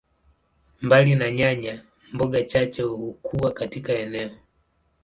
Mbali na nyanya, mboga chache hukua katika eneo.